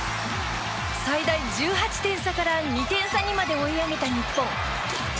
最大１８点差から２点差にまで追い上げた日本。